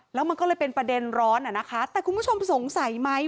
แล้วมันก็เลยเป็นประเด็นร้อนอ่ะนะคะแต่คุณผู้ชมสงสัยไหม